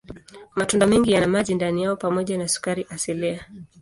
Matunda mengi yana maji ndani yao pamoja na sukari asilia.